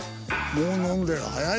もう飲んでる早いよ。